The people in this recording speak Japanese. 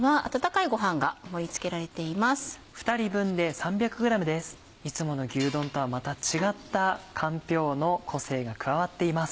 いつもの牛丼とはまた違ったかんぴょうの個性が加わっています。